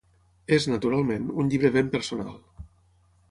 És, naturalment, un llibre ben personal